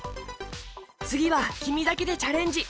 つぎはきみだけでチャレンジ！